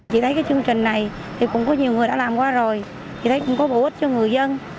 chị thấy cái chương trình này thì cũng có nhiều người đã làm qua rồi chị thấy cũng có bổ ích cho người dân